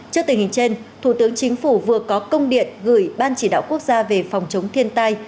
trước tình hình trên thủ tướng chính phủ vừa có công điện gửi ban chỉ đạo quốc gia về phòng chống thiên tai